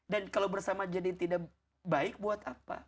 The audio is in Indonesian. dan kalau bersama jadi tidak baik buat apa